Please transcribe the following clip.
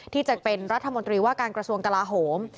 จะเป็นรัฐมนตรีว่าการกระทรวงกลาโหม